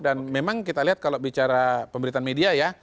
dan memang kita lihat kalau bicara pemberitaan media ya